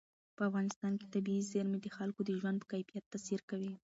په افغانستان کې طبیعي زیرمې د خلکو د ژوند په کیفیت تاثیر کوي.